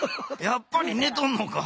やっぱりねとんのか。